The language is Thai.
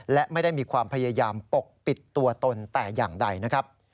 และไม่ได้มีความพยายามปกปิดตัวตนแต่อย่างใดนะครับ